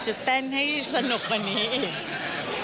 จะเต้นให้สนุกกว่านี้อีก